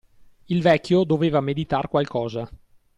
Il vecchio doveva meditar qualcosa;